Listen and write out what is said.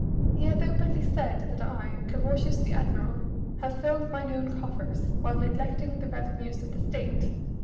He hath openly said that I, Carausius the admiral, have filled mine own coffers while neglecting the revenues of the state.